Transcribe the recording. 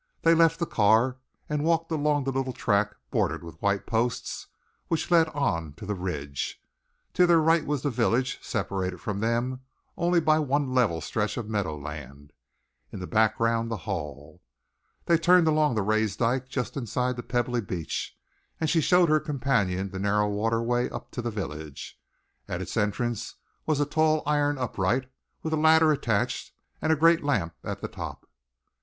They left the car and walked along the little track, bordered with white posts, which led on to the ridge. To their right was the village, separated from them only by one level stretch of meadowland; in the background, the hall. They turned along the raised dike just inside the pebbly beach, and she showed her companion the narrow waterway up to the village. At its entrance was a tall iron upright, with a ladder attached and a great lamp at the top.